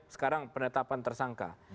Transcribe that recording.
sekarang penetapan tersangka